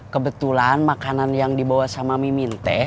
kebetulan makanan yang dibawa sama mimin teh